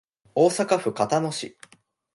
大阪府交野市